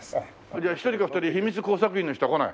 じゃあ１人か２人秘密工作員の人が来ない？